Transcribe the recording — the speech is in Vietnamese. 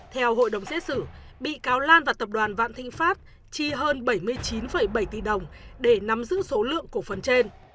theo hội đồng xét xử bị cáo lan và tập đoàn vạn thịnh pháp chi hơn bảy mươi chín bảy tỷ đồng để nắm giữ số lượng cổ phần trên